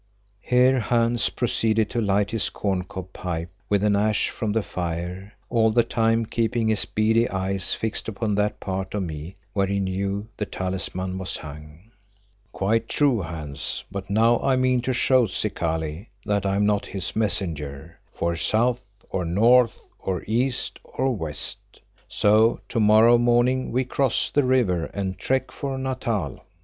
Here Hans proceeded to light his corncob pipe with an ash from the fire, all the time keeping his beady eyes fixed upon that part of me where he knew the talisman was hung. "Quite true, Hans, but now I mean to show Zikali that I am not his messenger, for south or north or east or west. So to morrow morning we cross the river and trek for Natal."